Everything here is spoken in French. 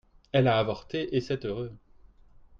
Elle a avorté et c’est heureux.